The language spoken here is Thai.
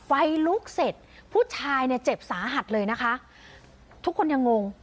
ไฟลุกเสร็จผู้ชายเนี่ยเจ็บสาหัสเลยนะคะทุกคนยังงง